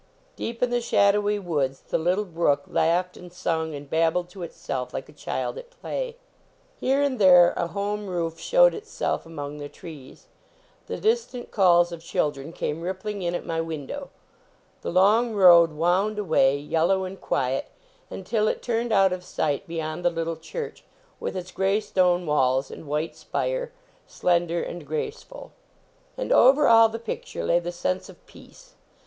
Deep in the shadowy woods the little brook laughed and sung and babbled to itself like a child at play. 9 129 THE BATTLE OF ARDMORE Here and there a home roof showed itself among the trees. The distant calls of chil dren came rippling in at my window. The long road wound away, yellow and quiet, until it turned out of sight beyond the little church with its gray stone walls and white spire, slender and graceful. And over all the picture lay the sense of peace.